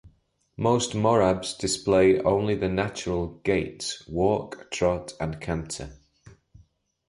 Most Morabs display only the 'natural' gaits - walk, trot, and canter.